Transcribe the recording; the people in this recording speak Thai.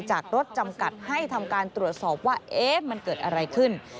จากรถจำกัดให้ทำการตรวจสอบว่ามันเกิดอะไรขึ้น